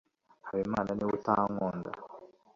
habimana niwe utankunda